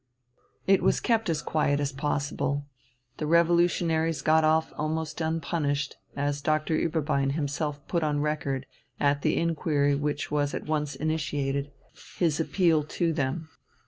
It was kept as quiet as possible. The revolutionaries got off almost unpunished, as Doctor Ueberbein himself put on record, at the inquiry which was at once initiated, his appeal to them.